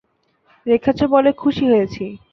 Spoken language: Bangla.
রেখেছো বলে খুশি হয়েছি।